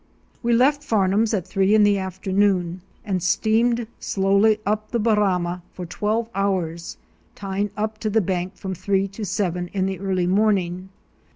We left Farnum's at three in the afternoon and steamed slowly up the Barama for twelve hours, tying up to the bank from three to seven in the early morning.